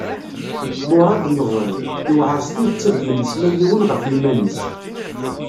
Muṛad Meẓri: Iwεer s tidet ad d-yemmeslay yiwen ɣef yiman-is.